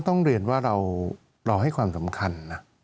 ต้องเรียนว่าเราให้ความสำคัญนะ